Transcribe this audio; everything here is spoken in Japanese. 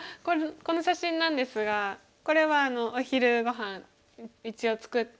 この写真なんですがこれはお昼ごはん一応作って。